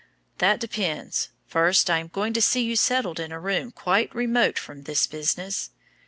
"That depends. First, I am going to see you settled in a room quite remote from this business."